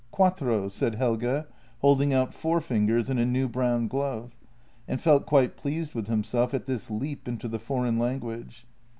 " Quattro," said Helge, holding out four fingers in a new brown glove, and felt quite pleased with himself at this leap into the foreign language.